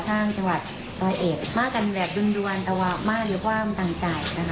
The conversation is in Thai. ทางจังหวัดรอยเอกมากันแบบรุนรวมตะวันมากหรือว่ามตั้งใจนะคะ